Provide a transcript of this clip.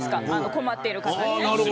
困っている方に。